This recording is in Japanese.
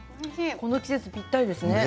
この季節にぴったりですね。